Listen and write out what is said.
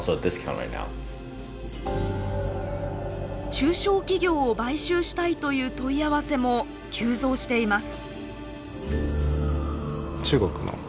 中小企業を買収したいという問い合わせも急増しています。